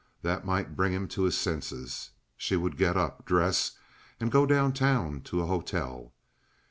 That might bring him to his senses. She would get up, dress, and go down town to a hotel.